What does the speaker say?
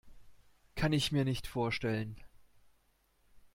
Kann ich mir nicht vorstellen.